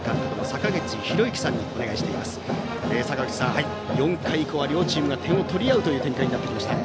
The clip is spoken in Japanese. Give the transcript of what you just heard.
坂口さん、４回以降は両チームが点を取り合う展開になってきました。